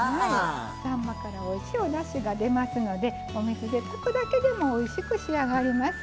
さんまからおいしいおだしが出ますから炊くだけでおいしく仕上がります。